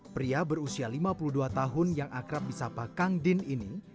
pria berusia lima puluh dua tahun yang akrab di sapa kang din ini